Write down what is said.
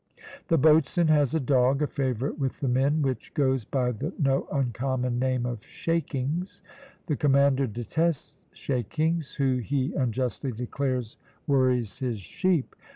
The boatswain has a dog a favourite with the men which goes by the no uncommon name of Shakings. The commander detests Shakings, who he unjustly declares worries his sheep.